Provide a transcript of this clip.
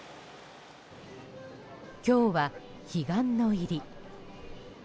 今日は彼岸の入り。